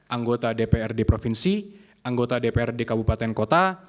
anggota dpr di provinsi anggota dpr di kabupaten kota